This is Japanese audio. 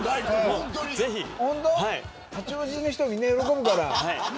八王子の人みんな喜ぶから。